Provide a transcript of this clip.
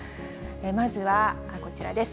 まずはこちらです。